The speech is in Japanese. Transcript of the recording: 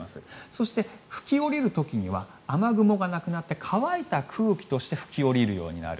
そして、吹き下りる時には雨雲がなくなって乾いた空気として吹き下りるようになる。